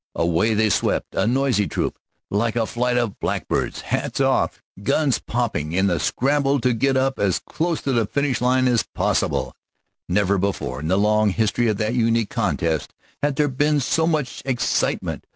Away they swept, a noisy troop, like a flight of blackbirds, hats off, guns popping, in a scramble to get up as close to the finishing line as possible. Never before in the long history of that unique contest had there been so much excitement.